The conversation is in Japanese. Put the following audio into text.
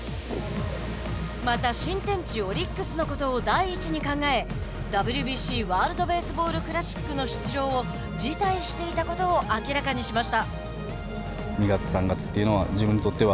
また新天地オリックスのことを第一に考えＷＢＣ＝ワールド・ベースボールクラシックの出場を辞退していたことを明らかにしました。